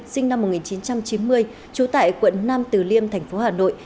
sinh năm một nghìn chín trăm chín mươi trú tại quận nam từ liêm tp hà nội